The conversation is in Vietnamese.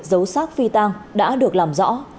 giấu sát phi tang đã được làm rõ